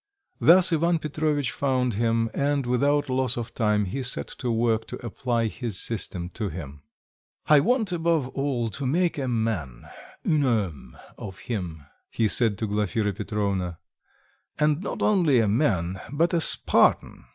Thus Ivan Petrovitch found him, and without loss of time he set to work to apply his system to him. "I want above all to make a man, un homme, of him," he said to Glafira Petrovna, "and not only a man, but a Spartan."